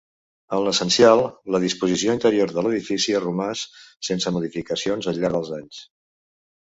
En l'essencial, la disposició interior de l'edifici ha romàs sense modificacions al llarg dels anys.